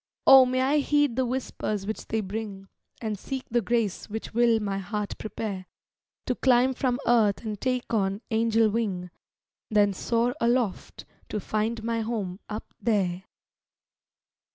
O may I heed the whispers which they bring, And seek the grace which will my heart prepare To climb from earth and take on angel wing, Then soar aloft, to find my home up there!